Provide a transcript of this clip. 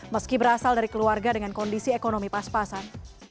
meski berasal dari keluarga dengan kondisi ekonomi pas pasan